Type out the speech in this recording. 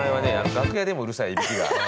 楽屋でもうるさいいびきが。